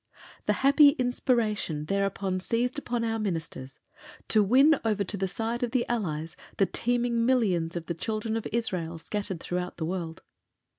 The happy inspiration thereupon seized upon our Ministers to win over to the side of the Allies the teeming millions of the Children of Israel scattered throughout the world.